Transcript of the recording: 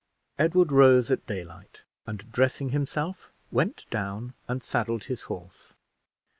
Edward rose at daylight, and, dressing himself, went down and saddled his horse.